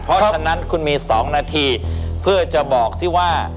เพราะฉะนั้นคุณมี๒นาทีเพื่อจะบอกซิว่า